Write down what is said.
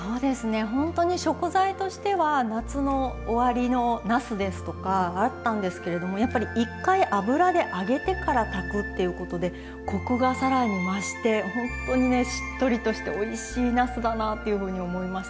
ほんとに食材としては夏の終わりのなすですとかあったんですけれどもやっぱり一回油で揚げてから炊くっていうことでコクがさらに増してほんとにねしっとりとしておいしいなすだなっていうふうに思いました。